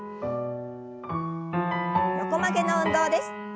横曲げの運動です。